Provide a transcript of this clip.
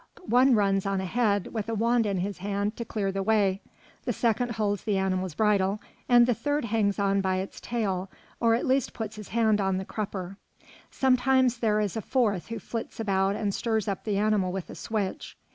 One runs on ahead with a wand in his hand to clear the way, the second holds the animal's bridle, and the third hangs on by its tail, or at least puts his hand on the crupper. Sometimes there is a fourth who flits about and stirs up the animal with a switch.